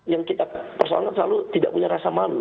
yang kita persoalkan selalu tidak punya rasa malu